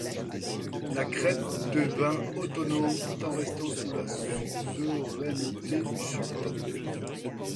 La Crète devint autonome tout en restant sous la suzeraineté du Sultan.